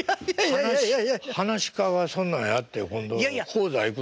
噺家はそんなんやって今度高座行くのに。